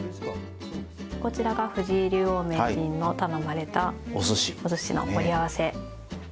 こちらが藤井竜王・名人の頼まれたおすしの盛り合わせ。